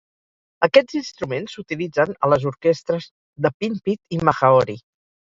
Aquests instruments s'utilitzen a les orquestres de pinpeat i mahaori.